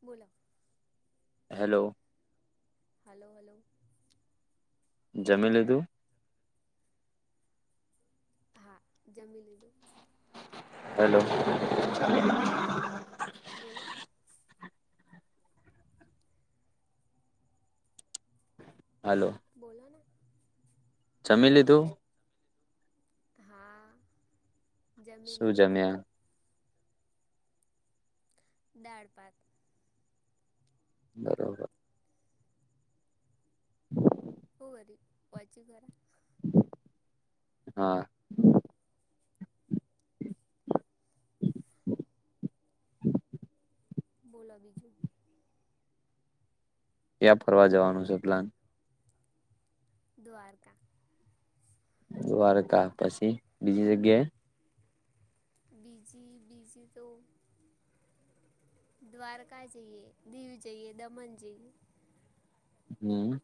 બોલો. Hello. Hello hello જમી લીધું? હા, જમી લીધું. હેલો [inaudible] બોલો? હાલો. બોલો ના. જમી લીધું? હા. જમી શું લીધું. જમ્યા દાળ ભાત. બરોબર. [inaudible] શુ વળી પહોંચ્યો ઘરે? હા. બોલા બીજું. ક્યાં ફરવા જવાનું છે પ્લાન? દ્વારકા. દ્વારકા પછી બીજી જગ્યાએ બીજી બીજી તો દ્વારકા જઈએ, દીવ જઈએ દમણ જઈએ. હમ.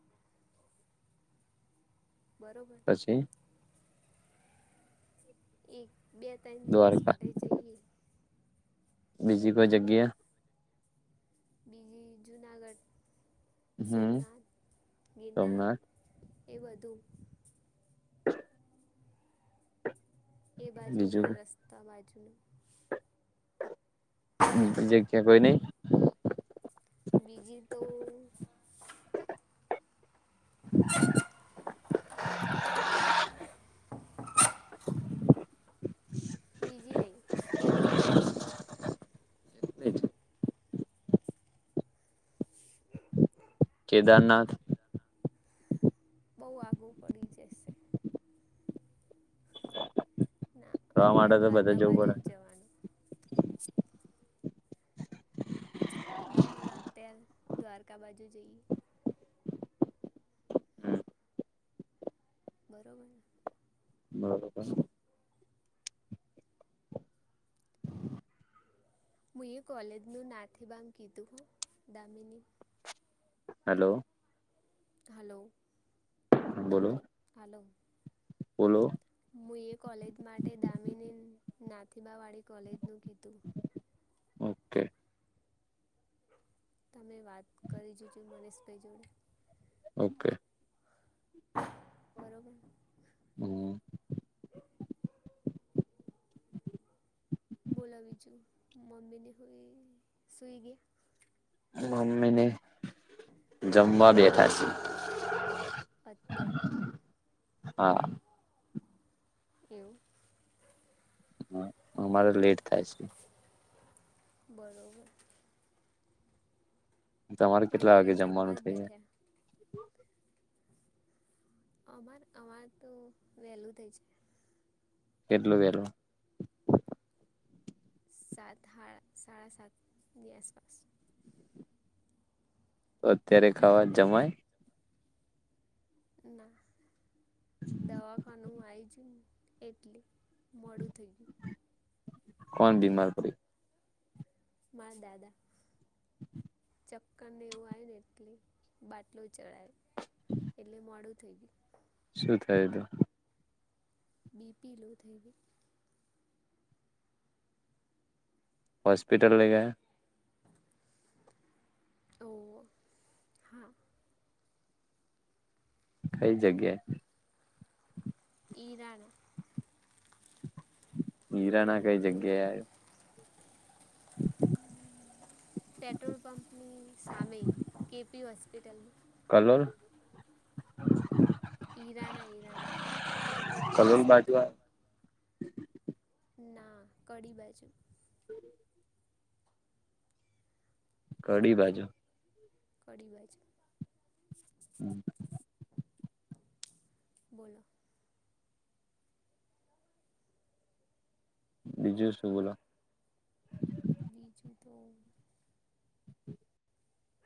બરોબર. પછી એક બે ત્રણ દિવસ દ્વારકા માટે જઈએ. બીજી કોઈ જગ્યા? બીજી જુનાગઢ. હમ સોમનાથ, ગિરનાથ સોમનાથ એ વધું એ બાજુ ના બીજું રસ્તા બા બીજી જગ્યા કોઈ નહી. બીજી તો બીજી નહી એટલીજ. કેદારનાથ. બહુ આગુ પડી જશે. ના ફરવા માટે અત્યાર તો બધા દ્વારકા જવું બાજુ જ જવાનું. ના મને અત્યારે દ્વારકા બાજુ જઈ. બરોબર. પડે હું એ કોલેજનું નાથેબાગ કીધું દામીની. હલો. હલો. બોલો હાલો. બોલો મુએ કોલેજ માટે દામીની નાથેબાવાળી કોલેજનું કીધું ઓકે તમે વાત કરી જોજો મનીષભાઈ જોડે ઓકે હમ બરોબર. બોલા વીજું મમ્મીને [unintelligible] સુઈ ગયા? મમ્મી ને જમવા બેઠા સી. અત્ય હા. એઉ અમારે લેટ થાય છે. બરોબર. તમારે કેટલા અમારે વાગે જમવા જમવાનું જ થઈ જાય? બેઠા અમાર અમારે તો વેલું થઈ જાય. કેટલું વેલુ? સાત હડા સાડા સાતની આસપાસ. તો અત્યારે ખાવા જમાય? ના. દવાખાનું [unintelligible] એટલી મોડું થઈ ગયું. કોણ બીમાર પડી? મારા દાદા ચક્કર ને એવું આઈવું ને એટલે બાટલો ચડાય એટલે મોડું થઈ ગયું. શું થાય તો? બીપી લો થઈ ગઈ. હોસ્પિટલ લઈ ગયા. ઓ હા. કઈ જગ્યા? ઈરાન. હીરાના કઈ જગ્યાએ. પેટ્રોલ પંપની સામે કે પી હોસ્પિટલ. કલર. ઈરાના ઈરાના કે પી કલોલ બાજુ હોસ્પિટલ. આયો? ના કડી બાજુ. કડી બાજુ. કડી બાજ. હમ્મ. બોલો. બીજું શું બોલો. બીજું તો.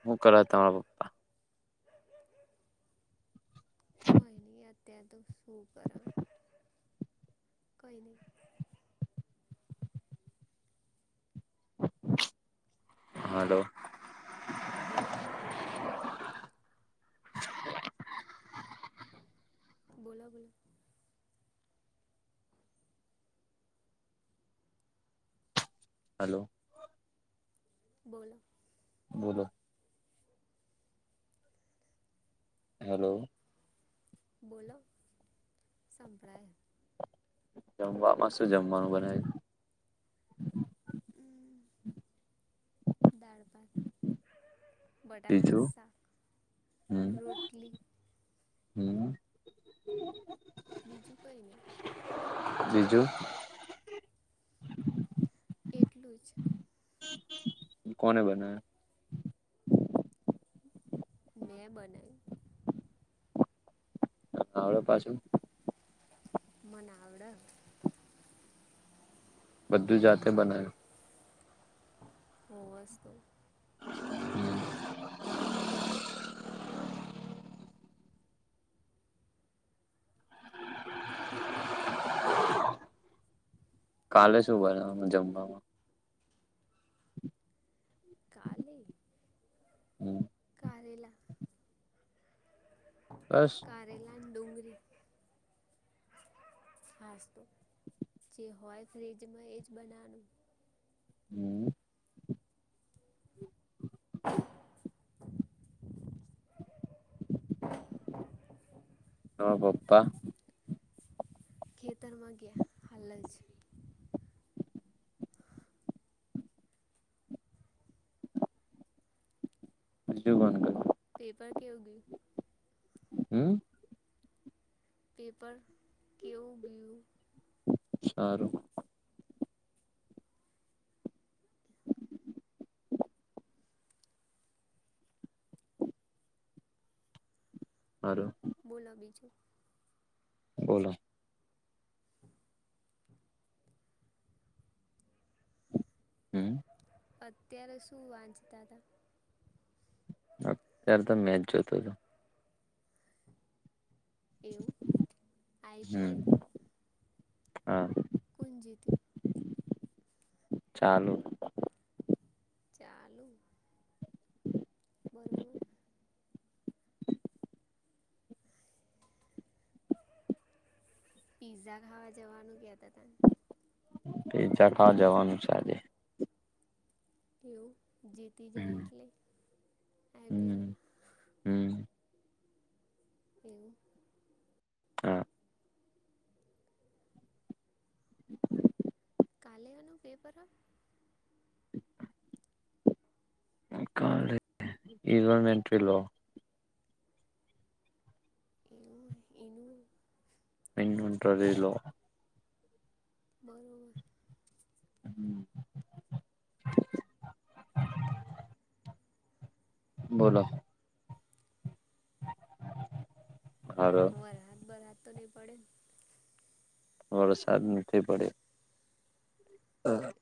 હું કરે તમારા પપ્પા? કોઈ ની. ત્યા તો શું કર કઈ નઈ. હલો. બોલો. બોલા, બોલો. હેલો બોલો બોલો હેલો બોલો સંંભળાય. જમવામાં શું જમવાનું બનાયુ. દાળ ભાથ બટાકાનું બીજું શાક હમ રોટલી. હમ બીજું કઈ નહીં બીજું એટલું જ કોને બનાયા મેં બના હ આવળો પાછું? મને આવડે બધું જાતે બનાયું? હોવસ તો. [unintelligible] કાલે શું બનાવ્યું જમવામાં? કાલે હમ કરેલા બસ. કારેલા ડુંગળી હાસ્તો જે હોય ફ્રિજમાં તે જ બનાવવાનું. હમમ. [inaudible] ન બાપા. ખેતારમાંગ હાલ જ. મું કોનું કર પેપર કેવ ગય હમ. પેપર કેવું ગયું? સારું. હ [inaudible] બોલો બીજું. બોલો. હમ અત્યારે શું વાંચતા હતા. અત્ય્યારે તો મેચ જોતો હતો. એવું હમ આઈપીએલ હા. કોલેજેથી ચાલુ ચાલુ બરોબર. પીઝા ખાવા જવાનું કયા? પીઝા ખાવા જવાનું છે આજે. એવ. જીતી જાય હમ એટલે. હમ આઈપીએલ. હમ એવું. હમ્મ. કાલેવાનું પેપર કલે ન એન્ટ્રી લો. એ એનું. એ રહે એલો. બરોબર. હમ. [unintelligible] બોલો. [inaudible] હ રાત બર રાત તો નહી પડે. વરસાદ નથી પડ્યો.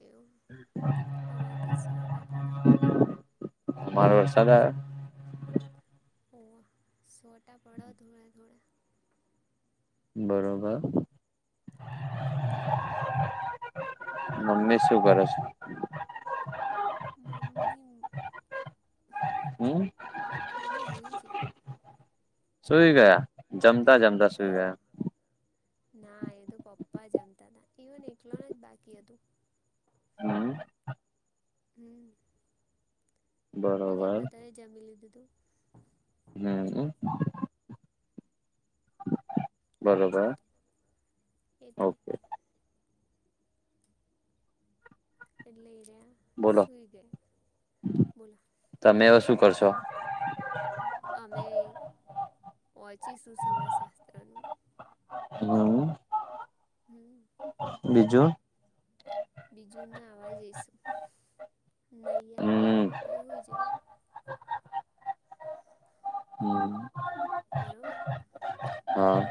એવું આમાં તો સોટા પડો. મારો સાદાર. ઓ છોટા પડો થોડાે-થોડા. બરોબર. [inaudible] મમ્મી શું કરે છે. મમ્મી હમ [inaudible] મમ્મી હો છે. સુઈ ગયા. જમ તા સુઈ હવ ગયા ના એ તો પપ્પા જમતા હતા એકલોને જ બાકી હતું હમ. હમ બીજા બરોબર બધાએ જમી લીધું તો? હમ. બરોબર, એવું હતું એટલે ઓકે. એટલે એ રહ્યા. બોલો, સુઈ ગયા બોલો તમે હવે શું કરશો? હોચી સુું સમાજ શાસ્ત્ર નું હમ. હમ. બીજું? બીજું નહી અ પ હમ હો જ. હમ. બરોબર હા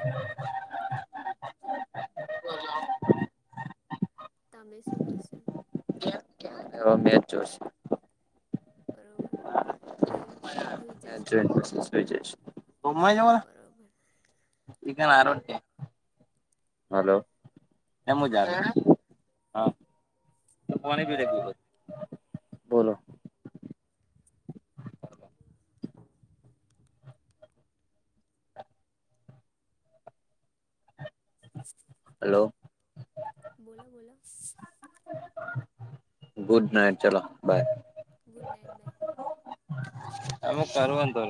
તમે શું કરશો? અ મેચ જોશે. બરોબર. પહી હુઈ ટ જશો બઈ જ [unintelligible] [unintelligible] બરોબર હલો એમ જ હમ આવે, હા, કોણી ભી બોલો બોલો. હલો. બોલો બોલો. ગુડ નાઈટ ચલો બાય. Good night bye. અમે કર તો